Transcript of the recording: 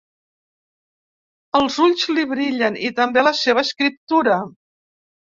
Els ulls li brillen, i també la seva escriptura.